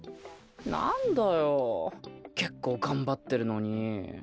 なんだよ結構頑張ってるのに。